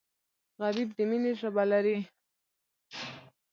غریب د مینې ژبه لري